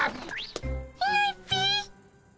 いないっピ。